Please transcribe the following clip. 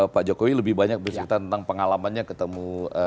pak jokowi lebih banyak bercerita tentang pengalamannya ketemu